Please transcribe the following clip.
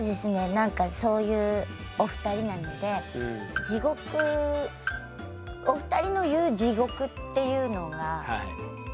何かそういうお二人なので地獄お二人の言う地獄っていうのがすごく気になりますね。